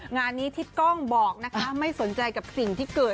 งานนี้ที่กล้องบอกนะคะไม่สนใจกับสิ่งที่เกิด